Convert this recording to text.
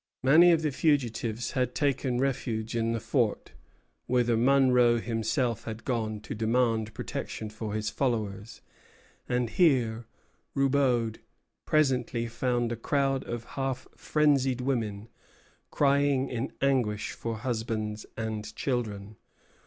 Many of the fugitives had taken refuge in the fort, whither Monro himself had gone to demand protection for his followers; and here Roubaud presently found a crowd of half frenzied women, crying in anguish for husbands and children.